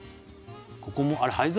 ここもあれ灰皿？